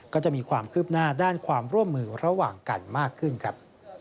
ก็จะมีความคืบหน้าด้านความร่วมมือระหว่างกันมากขึ้นครับ